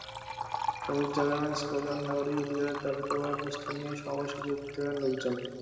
শ্রমিক জাগরণের স্লোগান, নাগরিক অধিকারে দাবি-দাওয়ার পোস্টার নিয়ে সমাবেশে যোগ দেবেন লোকজন।